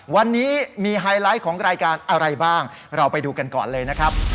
วันนี้มีไฮไลท์ของรายการอะไรบ้างเราไปดูกันก่อนเลยนะครับ